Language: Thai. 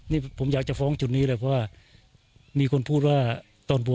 นี่ผมอยากจะฟ้องจุดนี้เลยเพราะว่ามีคนพูดว่าตอนบวช